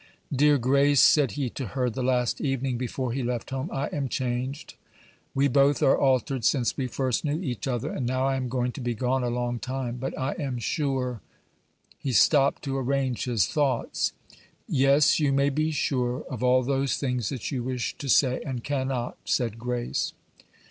"Dear Grace," said he to her, the last evening before he left home, "I am changed; we both are altered since we first knew each other; and now I am going to be gone a long time, but I am sure " He stopped to arrange his thoughts. "Yes, you may be sure of all those things that you wish to say, and cannot," said Grace.